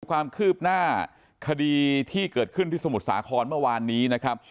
ความคืบหน้าคดีที่เกิดขึ้นที่สมุทรสาครเมื่อวานนี้นะครับ